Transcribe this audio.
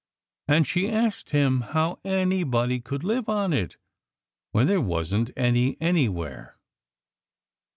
And she asked him how anybody could live on it when there wasn't any anywhere.